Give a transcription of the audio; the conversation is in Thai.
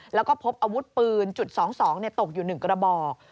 แล้วก็พบอาวุธปืนจุด๒๒ตกอยู่๑กระบอก